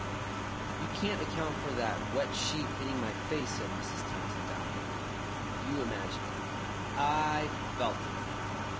"You can't account for that wet sheet hitting my face," said Mrs. Townsend, doubtfully. "You imagined it." "I FELT it."